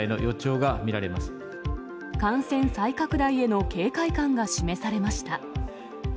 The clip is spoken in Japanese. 感染再拡大への警戒感が示されました。